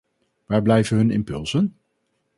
Waar blijven hun impulsen?